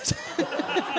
ハハハハ！